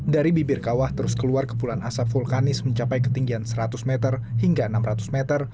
dari bibir kawah terus keluar kepulan asap vulkanis mencapai ketinggian seratus meter hingga enam ratus meter